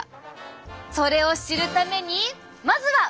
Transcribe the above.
それを知るためにまずは！